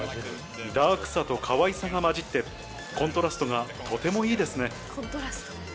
ダークさとかわいさがまじってコントラストがとてもいいですね。